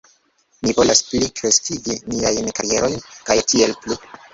Ni volas pli kreskigi niajn karierojn kaj tiel plu